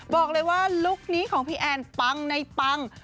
บอกเลยว่าลุคนี้ของพี่แอนปังในปัง